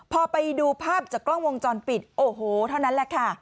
พอไปดูภาพจากกล้องวงจรปิดโอ้โหเท่านั้นแหละค่ะ